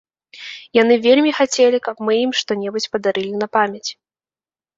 Яны вельмі хацелі, каб мы ім што-небудзь падарылі на памяць!